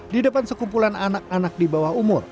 di depan sekumpulan anak anak di bawah umur